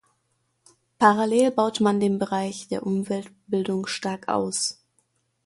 Parallel baute man den Bereich der Umweltbildung stark aus.